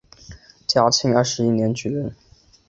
嘉庆二十一年举人。